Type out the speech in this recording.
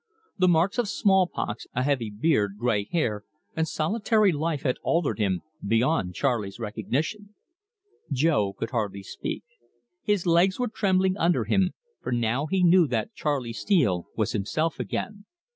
The marks of smallpox, a heavy beard, grey hair, and solitary life had altered him beyond Charley's recognition. Jo could hardly speak. His legs were trembling under him, for now he knew that Charley Steele was himself again.